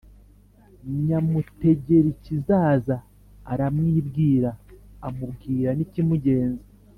Nyamutegerikizaza aramwibwira, amubwira n' ikimugenza